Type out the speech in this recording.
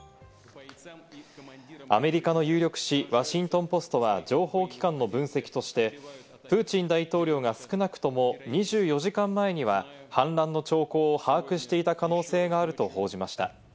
アメリカの有力紙ワシントン・ポストは情報機関の分析としてプーチン大統領が少なくとも２４時間前には反乱の兆候を把握していた可能性があると報じました。